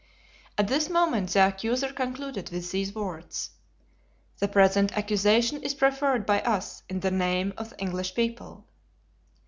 At this moment the accuser concluded with these words: "The present accusation is preferred by us in the name of the English people."